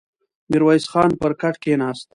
ميرويس خان پر کټ کېناست.